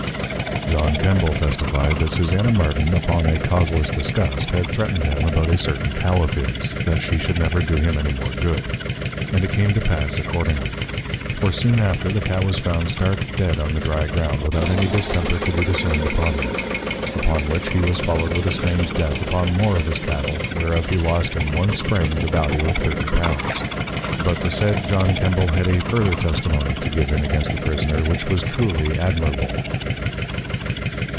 John Kembal testified, that Susanna Martin, upon a Causeless Disgust, had threatned him, about a certain Cow of his, That she should never do him any more Good: and it came to pass accordingly. For soon after the Cow was found stark dead on the dry Ground, without any Distemper to be discerned upon her. Upon which he was followed with a strange Death upon more of his Cattle, whereof he lost in one Spring to the Value of Thirty Pounds. But the said John Kembal had a further Testimony to give in against the Prisoner which was truly admirable.